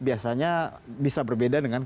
biasanya bisa berbeda dengan